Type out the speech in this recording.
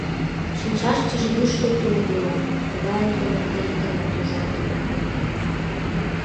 Шинчаштыже йӱштӧ тул йӱла, тыгайым тымарте ик ганат ужалтын огыл.